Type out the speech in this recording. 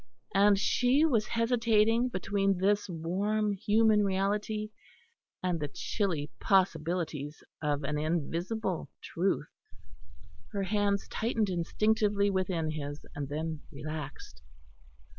and she was hesitating between this warm human reality and the chilly possibilities of an invisible truth. Her hands tightened instinctively within his, and then relaxed.